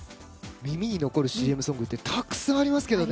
耳に残るＣＭソングってたくさんありますけどね。